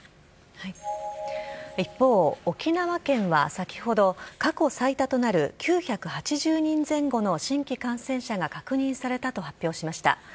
一方、沖縄県は先ほど過去最多となる９８０人前後の新規感染者が確認されたと発表しました。